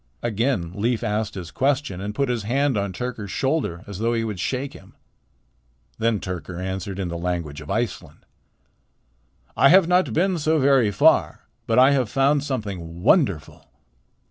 Again Leif asked his question and put his hand on Tyrker's shoulder as though he would shake him. Then Tyrker answered in the language of Iceland: "I have not been so very far, but I have found something wonderful."